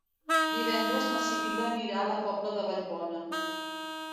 Divendres na Sibil·la anirà a la Pobla de Vallbona.